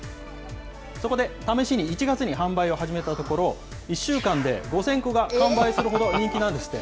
そこで、試しに１月に販売を始めたところ、１週間で５０００個が完売するほど人気なんですって。